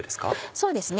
そうですね